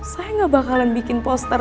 saya gak bakalan bikin poster